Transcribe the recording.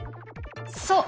そう！